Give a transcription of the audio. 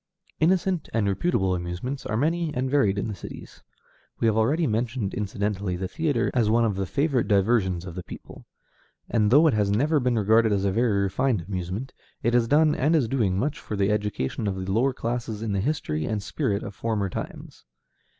Innocent and reputable amusements are many and varied in the cities. We have already mentioned incidentally the theatre as one of the favorite diversions of the people; and though it has never been regarded as a very refined amusement, it has done and is doing much for the education of the lower classes in the history and spirit of former times.